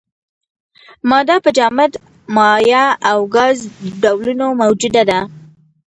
ماده په جامد، مایع او ګاز ډولونو موجوده ده.